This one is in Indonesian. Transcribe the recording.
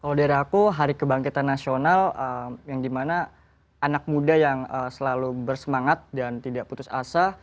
kalau dari aku hari kebangkitan nasional yang dimana anak muda yang selalu bersemangat dan tidak putus asa